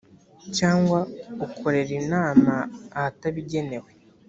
cyangwa ukorera inama ahatabigenewe